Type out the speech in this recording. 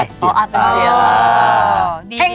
อัดได้อัดได้ก็ลองทำให้เสียงอัดเสียง